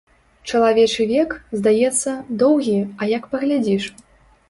Чалавечы век, здаецца, доўгі, а як паглядзіш!